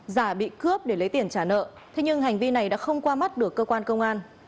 giả bị cướp để lấy tiền trả nợ thế nhưng hành vi này đã không qua mắt được cơ quan công an